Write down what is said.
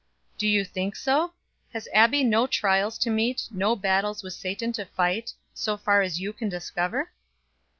"Do you think so? Has Abbie no trials to meet, no battles with Satan to fight, so far as you can discover?"